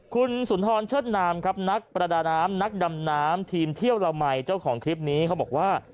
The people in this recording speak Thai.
คุณสุนทรเชิดนามครับนักประดาน้ำนักดำน้ำทีมเที่ยวละมัยเจ้าของคลิปนี้เขาบอกว่า